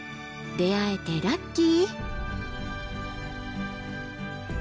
出会えてラッキー！